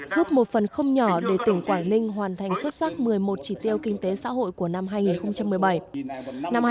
giúp một phần không nhỏ để tỉnh quảng ninh hoàn thành xuất sắc một mươi một chỉ tiêu kinh tế xã hội của năm hai nghìn một mươi bảy